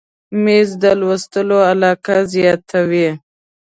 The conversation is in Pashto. مېز د لوستلو علاقه زیاته وي.